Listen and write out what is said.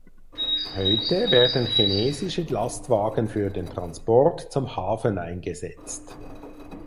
Heute werden chinesische Lastwagen für den Transport zum Hafen eingesetzt.